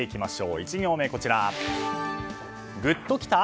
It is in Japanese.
１行目グッときた？